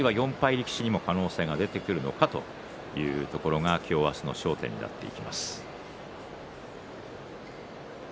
力士にも可能性が出てくるのかというところが今日明日の焦点になってきます。